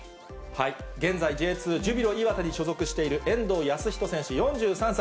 現在、Ｊ２・ジュビロ磐田に所属している遠藤保仁選手４３歳。